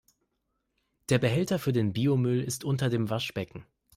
Der Behälter für den Biomüll ist unter dem Waschbecken.